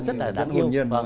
rất là đáng yêu